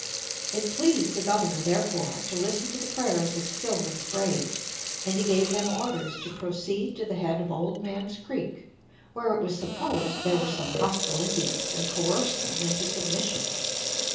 It pleased the Governor, therefore, to listen to the prayers of Stillman's braves, and he gave them orders to proceed to the head of Old Man's Creek, where it was supposed there were some hostile Indians, and coerce them into submission.